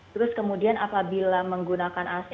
terus kemudian apabila menggunakan ac